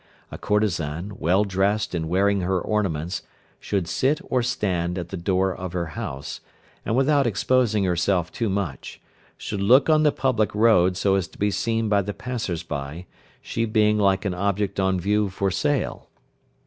A courtesan, well dressed and wearing her ornaments, should sit or stand at the door of her house, and without exposing herself too much, should look on the public road so as to be seen by the passers by, she being like an object on view for sale.